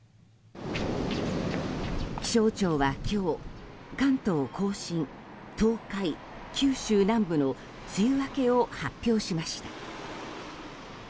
気象庁は今日関東・甲信、東海、九州南部の梅雨明けを発表しました。